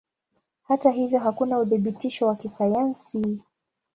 Hata hivyo hakuna uthibitisho wa kisayansi.